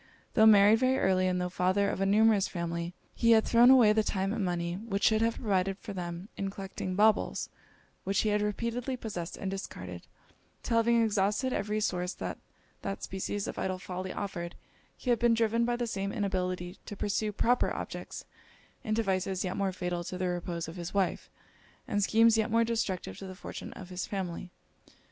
Tho' married very early, and tho' father of a numerous family, he had thrown away the time and money, which should have provided for them, in collecting baubles, which he had repeatedly possessed and discarded, 'till having exhausted every source that that species of idle folly offered, he had been driven, by the same inability to pursue proper objects, into vices yet more fatal to the repose of his wife, and schemes yet more destructive to the fortune of his family.